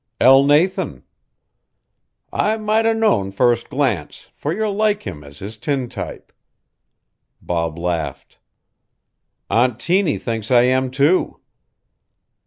"Elnathan." "I might 'a' known first glance, for you're like him as his tintype." Bob laughed. "Aunt Tiny thinks I am, too."